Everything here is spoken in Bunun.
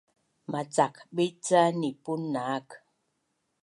macakbit ca nipun naak